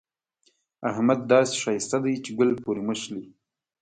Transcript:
احمد داسې ښايسته دی چې ګل پورې مښلي.